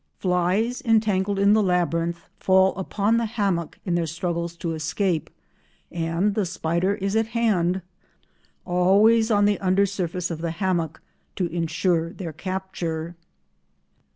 Flies entangled in the labyrinth fall upon the hammock in their struggles to escape, and the spider is at hand—always on the under surface of the hammock—to ensure their capture.